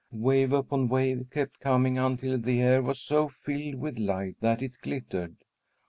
Wave upon wave kept coming until the air was so filled with light that it glittered.